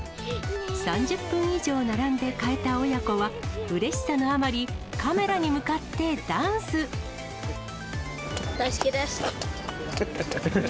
３０分以上並んで買えた親子は、うれしさのあまり、カメラに向か大好きです。